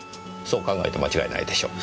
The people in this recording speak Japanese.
そう考えて間違いないでしょう。